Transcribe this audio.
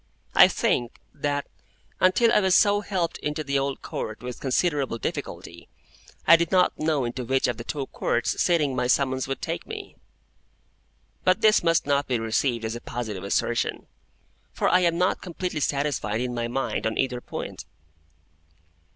I think that, until I was so helped into the Old Court with considerable difficulty, I did not know into which of the two Courts sitting my summons would take me. But this must not be received as a positive assertion, for I am not completely satisfied in my mind on either point.